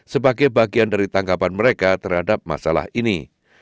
sebagai bagian dari tanggapan mereka terhadap masalah ini